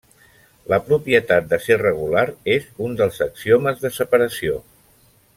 La propietat de ser regular és un dels axiomes de separació.